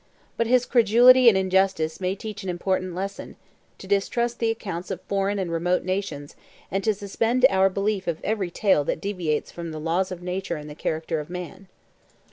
But his credulity and injustice may teach an important lesson; to distrust the accounts of foreign and remote nations, and to suspend our belief of every tale that deviates from the laws of nature and the character of man.